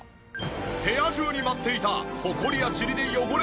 部屋中に舞っていたホコリやチリで汚れた空気が。